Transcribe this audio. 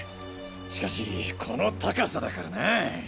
しかしこの高さだからなぁ。